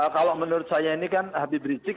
kalau menurut saya ini kan habib rizik